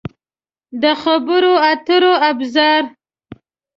د خبرو اترو ابزار